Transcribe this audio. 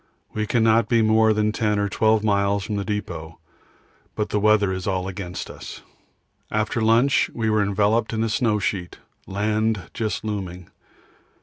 We cannot be more than 10 or 12 miles from the depot, but the weather is all against us. After lunch we were enveloped in a snow sheet, land just looming.